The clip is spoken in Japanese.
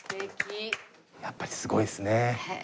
やっぱりすごいですね。